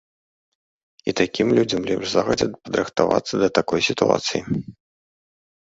І такім людзям лепш загадзя падрыхтавацца да такой сітуацыі.